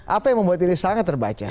apa yang membuat ini sangat terbaca